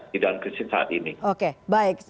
di dalam krisis saat ini